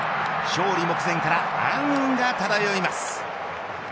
勝利目前から暗雲が漂います。